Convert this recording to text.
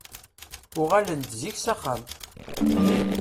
Uɣalen-d zik s axxam.